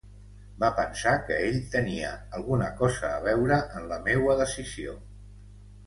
Va pensar que ell tenia alguna cosa a veure en la meua decisió.